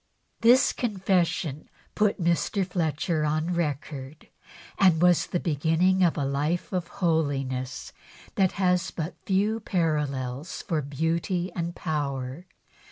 This confession put Mr. Fletcher on record, and was the beginning of a life of holiness that has but few parallels for beauty and power.